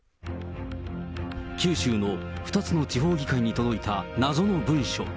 九州の２つの地方議会に届いた謎の文書。